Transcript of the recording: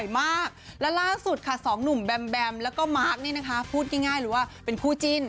มาพร้อมสุขให้แฟนกันบ่อยมาก